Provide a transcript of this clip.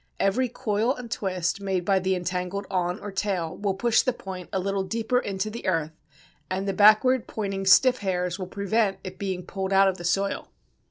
Every coil and twist made by the entangled awn or tail will push the point a little deeper into the earth, and the backward pointing stiff hairs will prevent its being pulled out of the soil.